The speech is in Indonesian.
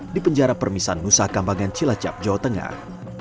di penjara permisan nusa kambangan cilacap jawa tengah